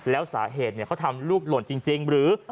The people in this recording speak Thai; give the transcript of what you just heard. แล้วสาเหตุเขาทำลูกหล่นจริงหรือ